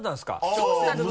そうなんですよ！